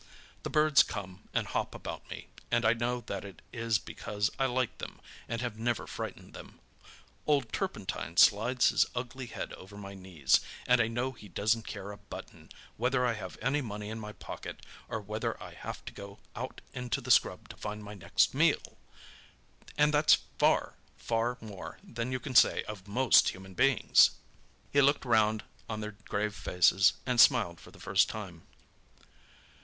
The birds come and hop about me, and I know that it is because I like them and have never frightened them; old Turpentine slides his ugly head over my knees, and I know he doesn't care a button whether I have any money in my pocket, or whether I have to go out into the scrub to find my next meal! And that's far, far more than you can say of most human beings!" He looked round on their grave faces, and smiled for the first time.